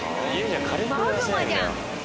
マグマじゃん。